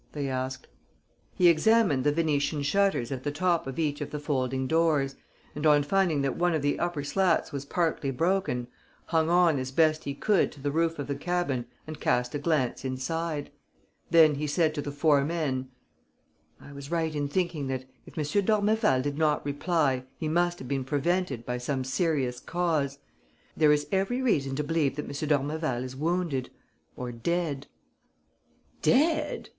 they asked. He examined the Venetian shutters at the top of each of the folding doors and, on finding that one of the upper slats was partly broken, hung on as best he could to the roof of the cabin and cast a glance inside. Then he said to the four men: "I was right in thinking that, if M. d'Ormeval did not reply, he must have been prevented by some serious cause. There is every reason to believe that M. d'Ormeval is wounded ... or dead." "Dead!"